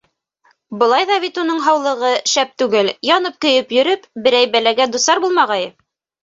Былай ҙа бит уның һаулығы шәп түгел, янып-көйөп йөрөп, берәй бәләгә дусар булмағайы.